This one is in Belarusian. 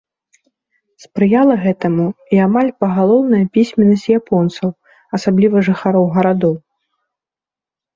Спрыяла гэтаму і амаль пагалоўная пісьменнасць японцаў, асабліва жыхароў гарадоў.